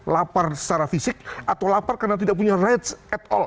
lapar secara fisik atau lapar karena tidak punya rights at all